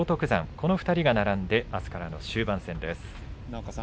この２人が並んであすからの終盤戦です。